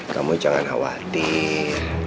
kamu jangan khawatir